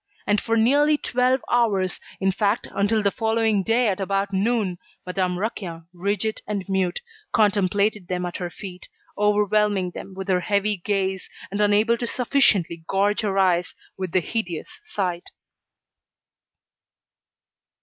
And for nearly twelve hours, in fact until the following day at about noon, Madame Raquin, rigid and mute, contemplated them at her feet, overwhelming them with her heavy gaze, and unable to sufficiently gorge her eyes with the hideous sight.